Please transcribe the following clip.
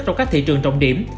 trong các thị trường trọng điểm